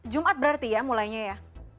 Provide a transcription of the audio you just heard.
jumat berarti ya mulainya ya